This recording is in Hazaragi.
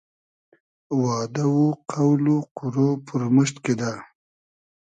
وادۂ و قۆل و قورۉ پورموشت کیدۂ